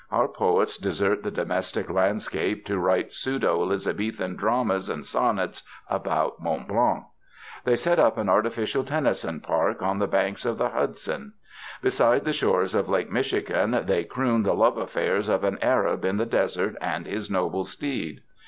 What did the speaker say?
Our poets desert the domestic landscape to write pseudo Elizabethan dramas and sonnets about Mont Blanc. They set up an artificial Tennyson park on the banks of the Hudson. Beside the shores of Lake Michigan they croon the love affairs of an Arab in the desert and his noble steed.